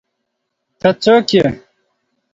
ته څوک ېې